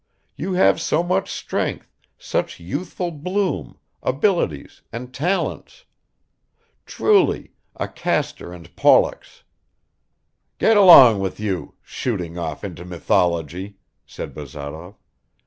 You have so much strength, such youthful bloom, abilities and talents! Truly ... A Castor and Pollux." "Get along with you shooting off into mythology!" said Bazarov.